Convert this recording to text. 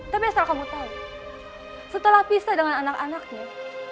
tapi asal kamu tahu setelah pisah dengan anak anaknya